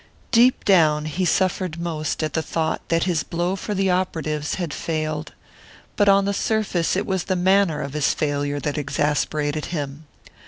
Deep down, he suffered most at the thought that his blow for the operatives had failed; but on the surface it was the manner of his failure that exasperated him.